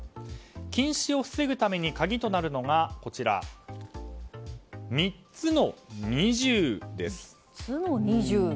近視を防ぐために鍵となるのが３つの２０です。